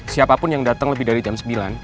siapapun yang datang lebih dari jam sembilan